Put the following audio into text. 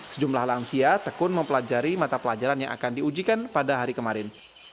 sejumlah lansia tekun mempelajari mata pelajaran yang akan diujikan pada hari kemarin